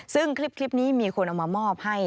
ซึ่งคลิปนี้มีคนเอามามอบให้